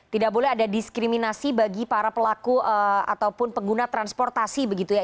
tidak boleh ada diskriminasi bagi para pelaku ataupun pengguna transportasi begitu ya